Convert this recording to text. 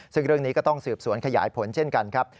ซึ่งเรื่องนี้ก็ต้องสืบสวนขยายผลเช่นกันครับ